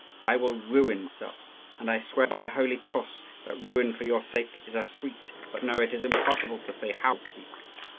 I will ruin myself. And I swear by the holy cross that ruin for your sake is as sweet but no, it is impossible to say how sweet!